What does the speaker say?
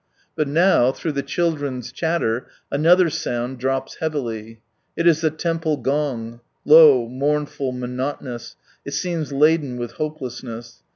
But now, through the children's chatter, another sound drops heavily. It is the Temple _ 1 ; low, mournful, monotonous, it seems laden with hopelessness.